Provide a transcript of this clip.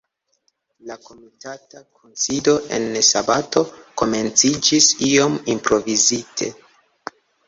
La komitata kunsido en sabato komenciĝis iom improvizite.